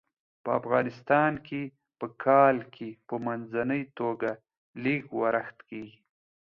په افغانستان کې په کال کې په منځنۍ توګه لږ ورښت کیږي.